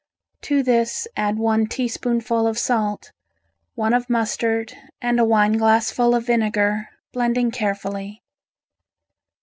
To this add one teaspoonful of salt, one of mustard and a wineglassful of vinegar, blending carefully.